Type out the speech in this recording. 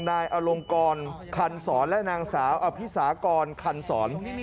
นายอลงกรคันศรและนางสาวอภิษากรคันศร